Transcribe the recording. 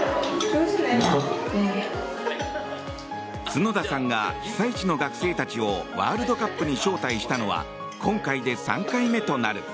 角田さんが被災地の学生たちをワールドカップに招待したのは今回で３回目となる。